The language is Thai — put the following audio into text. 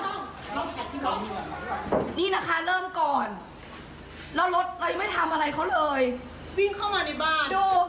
วิ่งเข้ามาในบ้าน